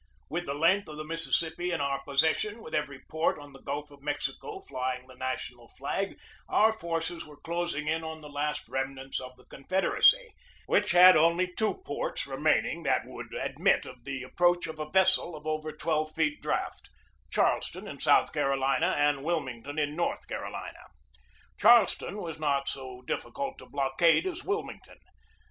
With the length of the Mississippi in our possession, with every port on the Gulf of Mexico flying the national flag, our forces were closing in on the last remnants of the Confed eracy, which had only two ports remaining that would admit of the approach of a vessel of over twelve feet draught, Charleston in South Carolina and Wilmington in North Carolina. Charleston was not so difficult to blockade as Wilmington.